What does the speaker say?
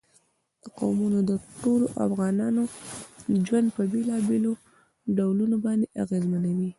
قومونه د ټولو افغانانو ژوند په بېلابېلو ډولونو باندې اغېزمنوي.